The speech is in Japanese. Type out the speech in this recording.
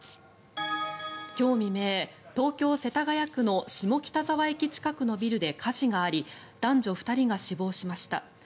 今日未明、東京・世田谷区の下北沢駅近くのビルで火事があり男女２人が死亡しました。